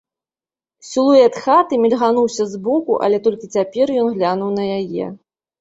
Сілуэт хаты мільгануўся збоку, але толькі цяпер ён глянуў на яе.